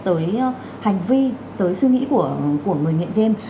tới hành vi tới suy nghĩ của người nghiện game